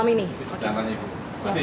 terima kasih ya pak